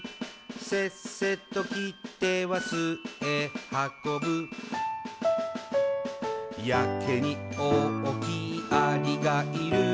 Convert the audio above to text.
「せっせと切っては巣へはこぶ」「やけに大きいアリがいる」